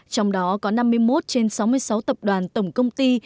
trong đó có năm mươi một trên sáu mươi sáu tập đoàn tổng công ty